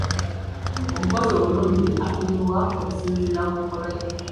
Omukozi omulungi apimibwa kusinziira ku nkola ye.